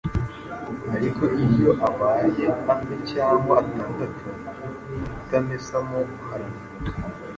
ariko iyo abaye ane cyangwa atandatu utamesamo haranuka